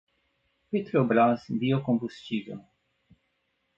Petrobras Biocombustível